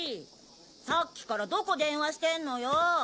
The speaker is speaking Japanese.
さっきからどこ電話してんのよ！